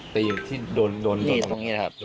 ตีที่โดนตรงนี้นะครับ